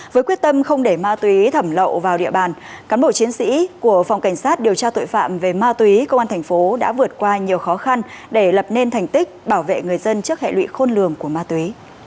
với quyết tâm không để ma túy thẩm lậu vào địa bàn cán bộ chiến sĩ của phòng cảnh sát điều tra tội phạm về ma túy công an thành phố đã vượt qua nhiều khó khăn để lập nên thành tích bảo vệ người dân trước hệ lụy khôn lường của ma túy